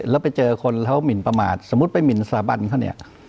แล้วไปเจอคนเขาหมินประมาทสมมุติไปหมินสถาบันเขาเนี่ย